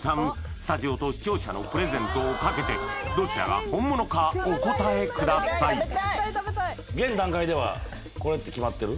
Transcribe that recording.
スタジオと視聴者のプレゼントをかけてどちらが本物かお答えください現段階ではこれって決まってる？